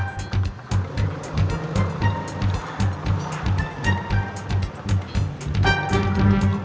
hah mana sih